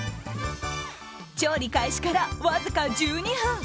調理開始から、わずか１２分。